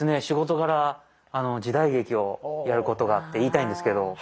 仕事柄時代劇をやることがって言いたいんですけど